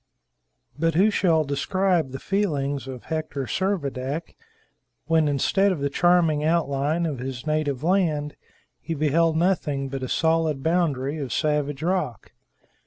But who shall describe the feelings of Hector Servadac when, instead of the charming outline of his native land, he beheld nothing but a solid boundary of savage rock?